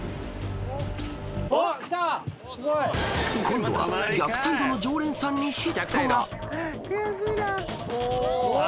［今度は逆サイドの常連さんにヒットが］うわ！